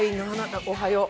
おはよう。